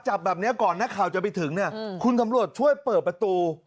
จับแบบนี้ก่อนนักข่าวจะไปถึงเนี่ยคุณสำรวจช่วยเปิดประตู